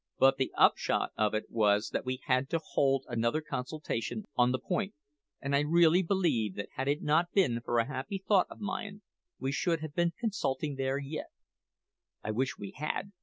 "But the upshot of it was that we had to hold another consultation on the point; and I really believe that had it not been for a happy thought of mine, we should have been consulting there yet." "I wish we had!"